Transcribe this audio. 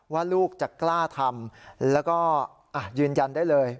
ว่าลูกจะกล้าทำแล้วก็ยืนยันได้เลย